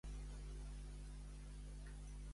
Simpatitzant d'Aliança Catalana que no sap escriure